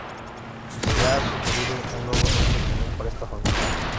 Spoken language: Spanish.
Se ha sugerido un nuevo nombre común para esta familia.